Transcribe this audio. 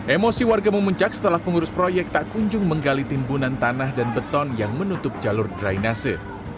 emosi warga memuncak setelah pengurus proyek tak kunjung menggali timbunan tanah dan beton yang menutup jalur drainase